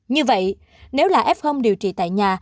như vậy nếu là f điều trị tại nhà